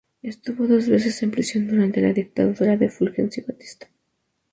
Estuvo dos veces en prisión durante la dictadura de Fulgencio Batista.